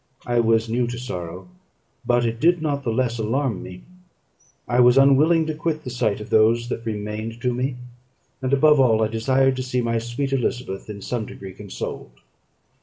I was new to sorrow, but it did not the less alarm me. I was unwilling to quit the sight of those that remained to me; and, above all, I desired to see my sweet Elizabeth in some degree consoled.